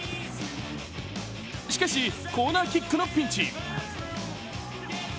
しかし、コーナーキックのピンチ。